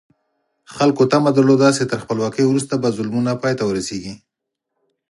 خلکو تمه درلوده چې تر خپلواکۍ وروسته به ظلمونه پای ته ورسېږي.